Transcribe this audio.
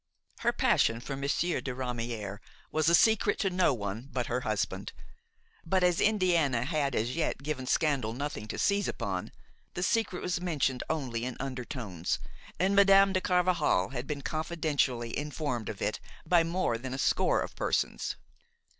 Her passion for Monsieur de Ramière was a secret to no one but her husband; but as Indiana had as yet given scandal nothing to seize upon, the secret was mentioned only in undertones, and Madame de Carvajal had been confidentially informed of it by more than a score of persons.